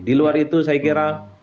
di luar itu saya kira